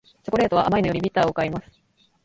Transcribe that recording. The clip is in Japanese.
チョコレートは甘いのよりビターを買います